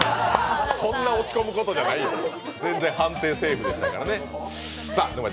そんな落ち込むことじゃない、全然判定セーフでしたからね。